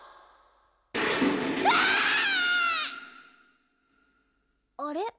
うわあ⁉あれ？